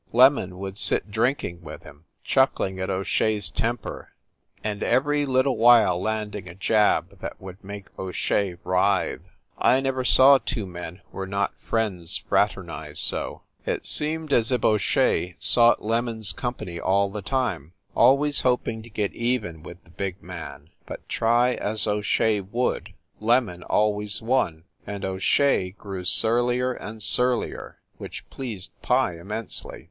"Lemon" would sit drinking with him, chuckling at O Shea s temper, and every little while landing a jab that would make O Shea writhe. I never saw two men who were not friends fraternize so. It seemed as if O Shea sought "Lemon s" company all the time, always hoping to get even with the big 276 FIND THE WOMAN man. But try as O Shea would, "Lemon" always won, and O Shea grew surlier and surlier; which pleased Pye immensely.